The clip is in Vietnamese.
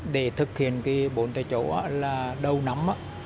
để thực hiện cái bồn tại chỗ là đầu nắm là chúng tôi phải trị đào là kiền toàn lại là bán chỉ huy